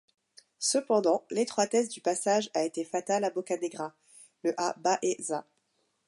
Cependant, l'étroitesse du passage a été fatale à Bocanegra, le à Baeza.